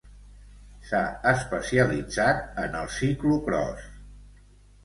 S'ha especialitzat en el ciclocròs.